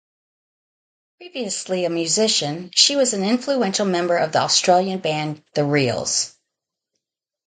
Previously a musician, she was an influential member of the Australian band The Reels.